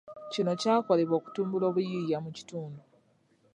Kino kyakolebwa okutumbula obuyiiya mu kitundu.